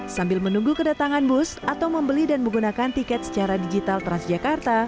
sambil menunggu kedatangan bus atau membeli dan menggunakan tiket secara digital transjakarta